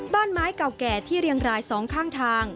บ้านไม้เก่าแก่ที่เรียงรายสองข้างทาง